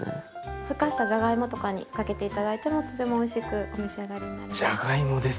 ふかしたじゃがいもとかにかけて頂いてもとてもおいしくお召し上がりになれます。